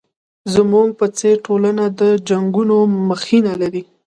زموږ په څېر ټولنه د جنګونو مخینه لري.